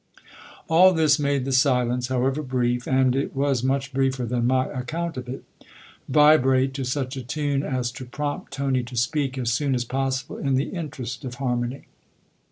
All this made the silence, however brief and it was much briefer than my account of it vibrate to such a tune as to prompt Tony to speak as soon as possible in the interest of harmony.